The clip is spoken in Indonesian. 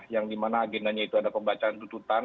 yang dimana agendanya itu ada pembacaan tuntutan